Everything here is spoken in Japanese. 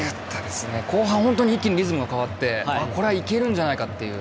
後半、一気にリズムが変わってこれはいけるんじゃないかっていう